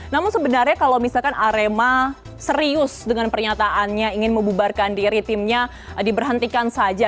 namun sebenarnya kalau misalkan arema serius dengan pernyataannya ingin membubarkan diri timnya diberhentikan saja